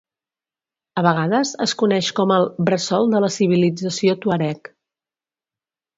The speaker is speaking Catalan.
A vegades es coneix com el "bressol de la civilització tuareg".